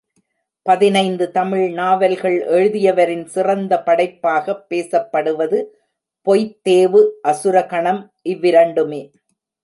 பதினைந்து தமிழ் நாவல்கள் எழுதியவரின் சிறந்த படைப்பாக பேசப்படுவது பொய்த்தேவு அசுரகணம் இவ்விரண்டுமே.